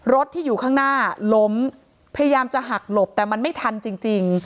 รถที่อยู่ข้างหน้าล้มพยายามจะหักหลบแต่มันไม่ทันจริง